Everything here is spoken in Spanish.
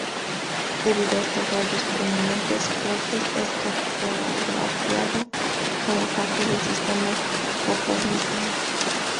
Debido a estos rayos prominentes, Crookes es cartografiado como parte del Sistema Copernicano.